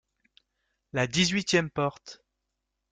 La dix-huitième porte.